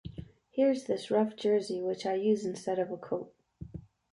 Here's this rough jersey which I use instead of a coat.